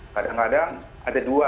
kadang kadang ada dua